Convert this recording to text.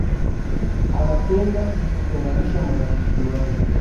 Anapenda kutenganisha marafiki wale